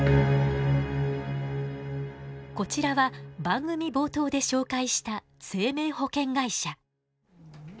こちらは番組冒頭で紹介した生命保険会社。